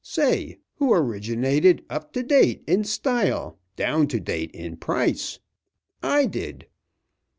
Say, who originated 'up to date in style, down to date in price?' I did.